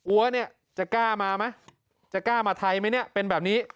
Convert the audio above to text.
อันนี้จะกล้ามาไหมจะกล้ามาไทยไหมเป็นแบบนี้